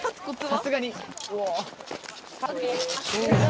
さすがに。